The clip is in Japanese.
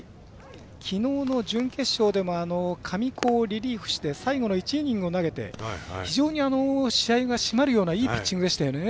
きのうの準決勝でも神子をリリーフして最後の１イニングを投げて非常に試合が締まるようないいピッチングでしたよね。